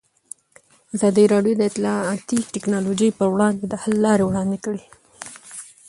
ازادي راډیو د اطلاعاتی تکنالوژي پر وړاندې د حل لارې وړاندې کړي.